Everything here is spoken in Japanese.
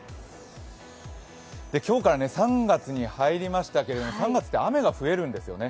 今日から３月に入りましたけども、３月って雨が増えるんですよね。